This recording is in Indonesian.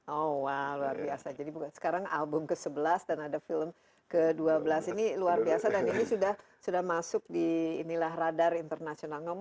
oh wah luar biasa jadi sekarang album ke sebelas dan ada film ke dua belas ini luar biasa dan ini sudah masuk di inilah radar internasional